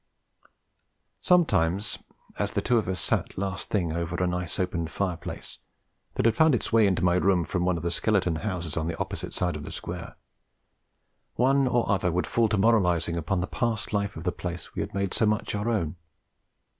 Sometimes, as the two of us sat last thing over a nice open fireplace that had found its way into my room from one of the skeleton houses on the opposite side of the square, one or other would fall to moralising upon the past life of the place we had made so much our own.